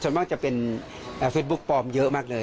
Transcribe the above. ส่วนมากจะเป็นเฟซบุ๊กปลอมเยอะมากเลย